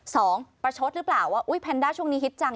ประชดหรือเปล่าว่าอุ๊ยแพนด้าช่วงนี้ฮิตจัง